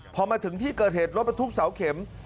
พอมาถึงที่เกิดเหตุรถบรรทุกเสาเข็ม